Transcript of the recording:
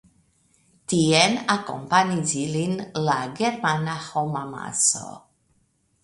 Tien akompanis ilin la germana homamaso.